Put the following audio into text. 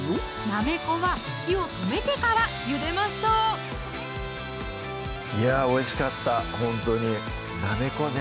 なめこは火を止めてからゆでましょういやおいしかったほんとになめこね